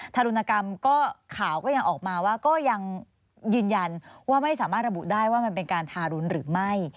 ทารุณกรรมก็ข่าวก็ยังออกมาว่าก็ยังยืนยันว่าไม่สามารถระบุได้ว่ามันเป็นการทารุณหรือไม่